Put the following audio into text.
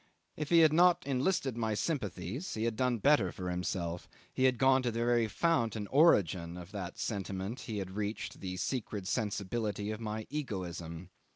If he had not enlisted my sympathies he had done better for himself he had gone to the very fount and origin of that sentiment he had reached the secret sensibility of my egoism.